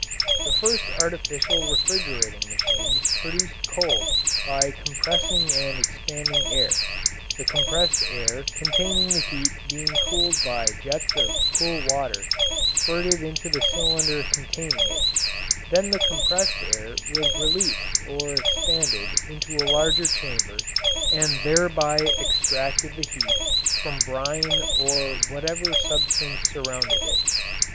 The first artificial refrigerating machines produced cold by compressing and expanding air, the compressed air containing the heat being cooled by jets of cool water spirted into the cylinder containing it, then the compressed air was released or expanded into a larger chamber and thereby extracted the heat from brine or whatever substance surrounded it.